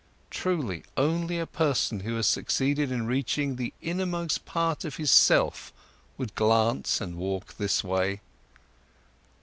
Truly, only a person who has succeeded in reaching the innermost part of his self would glance and walk this way.